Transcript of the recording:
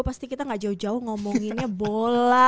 pasti kita gak jauh jauh ngomonginnya bola